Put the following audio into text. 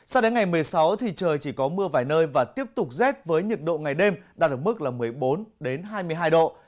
sao đến ngày một mươi sáu thì trời chỉ có mưa vài nơi và tiếp tục rét với nhiệt độ ngày đêm đạt ở mức một mươi bốn hai mươi hai độ